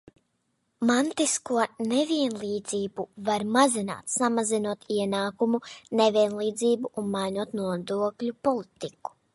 Mantisko nevienlīdzību var mazināt, samazinot ienākumu nevienlīdzību un mainot nodokļu politiku.